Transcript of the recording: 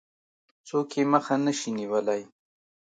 څوک يې مخه نه شي نيولای.